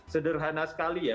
sederhana sekali ya